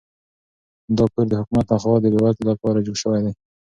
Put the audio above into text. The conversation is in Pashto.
دا کور د حکومت لخوا د بې وزلو لپاره جوړ شوی دی.